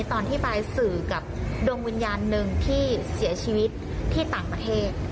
ตอนที่บายสื่อกับดวงวิญญาณหนึ่งที่เสียชีวิตที่ต่างประเทศ